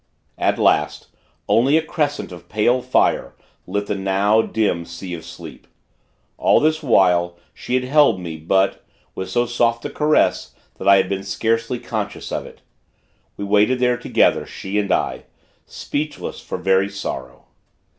At last, only a crescent of pale fire, lit the, now dim, Sea of Sleep. All this while, she had held me; but, with so soft a caress, that I had been scarcely conscious of it. We waited there, together, she and I; speechless, for very sorrow.